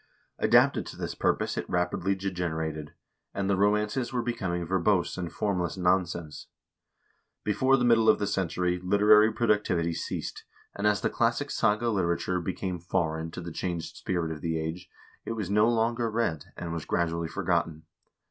Adapted to this purpose it rapidly degenerated, and the romances were becoming verbose and formless nonsense. Before the middle of the century literary productivity ceased, and as the classic saga literature became foreign to the changed spirit of the age, it was no longer read, and was gradually forgotten.